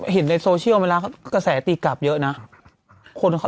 เห็นได้โซเชียลเวลาเขาสายตีกกลับเยอะน่ะคนเขา